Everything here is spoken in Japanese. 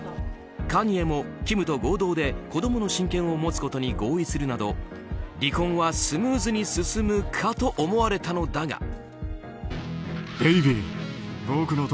カニエもキムと合同で子供の親権を持つことに合意するなど離婚はスムーズに進むかと思われたのだが。